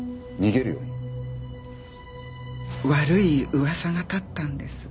悪い噂が立ったんです。